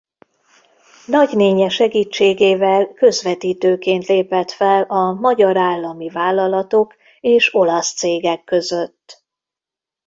Nagynénje segítségével közvetítőként lépett fel a magyar állami vállalatok és olasz cégek között.